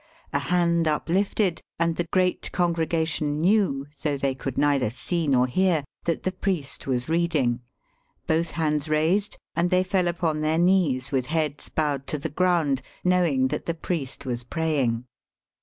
A hand uplifted, and the great congregation knew, though they could neither see nor hear, that the priest was reading; both hands raised, and they fell upon their knees with heads bowed to the ground, knowing that the priest was praying.